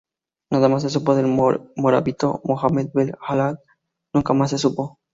Nada más se supo del morabito Mohamed ben al-Lal, nunca más se supo.